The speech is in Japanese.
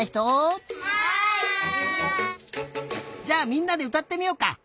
じゃあみんなでうたってみようか。